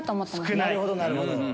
なるほどなるほど。